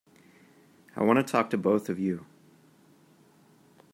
I want to talk to both of you.